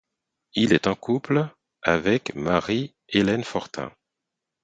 Il est en couple avec Marie-Hélène Fortin.